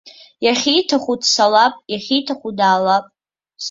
Иахьиҭаху дцалап, иахьиҭаху даалап.